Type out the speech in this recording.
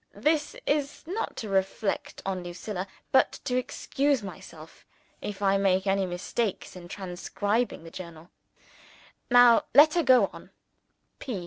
This is not to reflect on Lucilla but to excuse myself, if I make any mistakes in transcribing the Journal. Now let her go on.